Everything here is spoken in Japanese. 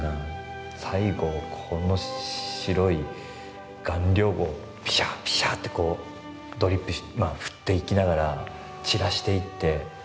最後この白い顔料をピシャッピシャッとドリップ振っていきながら散らしていって。